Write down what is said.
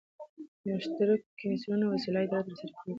د مشترکو کمېسیونو په وسیله اداره ترسره کيږي.